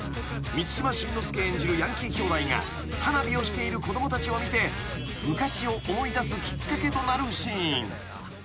満島真之介演じるヤンキーきょうだいが花火をしている子供たちを見て昔を思い出すきっかけとなるシーン］